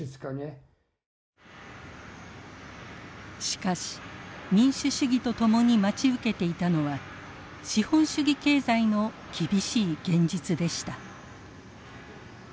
しかし民主主義と共に待ち受けていたのは資本主義経済の厳しい現実でした。